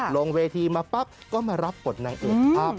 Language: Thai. ลงเวทีมาปั๊บก็มารับบทนางเอกภาพ